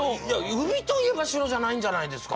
海といえば城じゃないんじゃないですか？